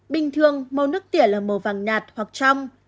bình thường màu nước tỉa là màu vàng nhạt hoặc trong